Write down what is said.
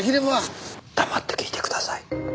黙って聞いてください。